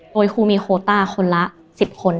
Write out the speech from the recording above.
โดยครูมีโคต้าคนละ๑๐คน